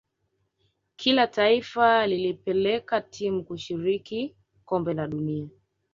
kila taifa lilipeleka timu kushiriki kombe la dunia